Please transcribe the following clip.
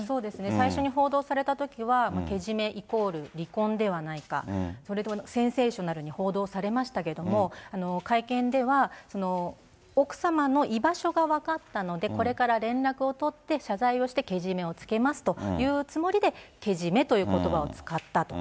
最初に報道されたときは、けじめイコール離婚ではないか、センセーショナルに報道されましたけれども、会見では、奥様の居場所が分かったので、これから連絡を取って謝罪をしてけじめをつけますというつもりで、けじめということばを使ったと。